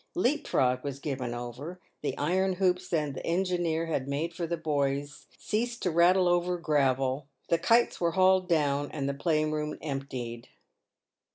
Leap frog was given over, the iron hoops that the engineer had made for the boys ceased to rattle over gravel, the kites were hauled down, and the playroom emptied.